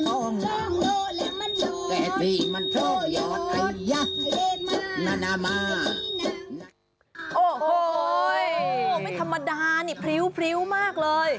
โอ้โหไม่ธรรมดานี่พริ้วมากเลย